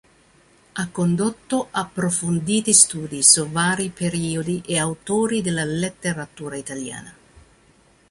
Ha condotto approfonditi studi su vari periodi e autori della letteratura italiana.